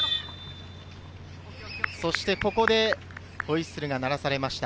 ここでホイッスルが鳴らされました。